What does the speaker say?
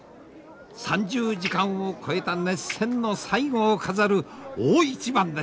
３０時間を超えた熱戦の最後を飾る大一番です。